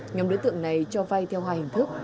nhóm đối tượng này cho vay theo hai hình thức